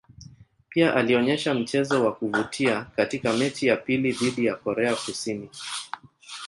Pia alionyesha mchezo wa kuvutia katika mechi ya pili dhidi ya Korea Kusini.